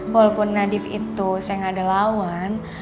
walaupun nadif itu seng ada lawan